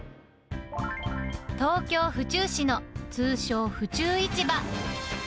東京・府中市の、通称、府中市場。